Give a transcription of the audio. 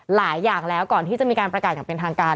หลายอย่างแล้วก่อนที่จะมีการประกาศอย่างเป็นทางการ